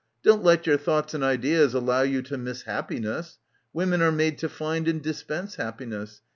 Don't let your thoughts and ideas allow you to miss happiness. Women are made to find and dispense happiness.